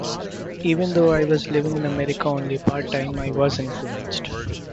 Even though I was living in America only part time, I was influenced.